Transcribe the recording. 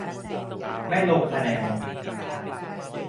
ไม่ลงคะแนน